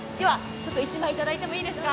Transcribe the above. １枚いただいてもいいですか？